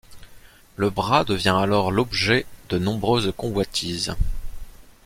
Le bras devient alors l'objet de nombreuses convoitises.